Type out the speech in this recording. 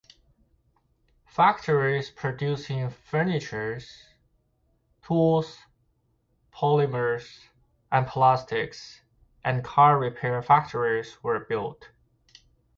Factories producing furniture, tools, polymers, and plastics, and car repair factories were built.